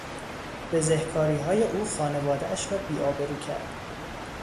بزهکاریهای او خانوادهاش را بیآبرو کرد.